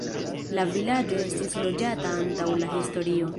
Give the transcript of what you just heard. La vilaĝo estis loĝata antaŭ la historio.